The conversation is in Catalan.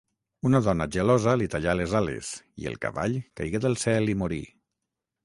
Una dona gelosa li tallà les ales i el cavall caigué del cel i morí.